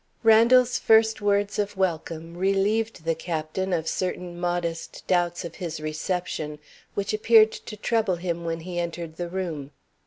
Randal's first words of welcome relieved the Captain of certain modest doubts of his reception, which appeared to trouble him when he entered the room.